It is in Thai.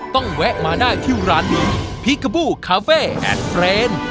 ต้องแวะมาได้ที่ร้านบีพริกกับบูคาเฟ่แอดเฟรนด์